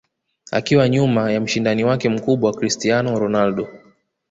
akiwa nyuma ya mshindani wake mkubwa Cristiano Ronaldo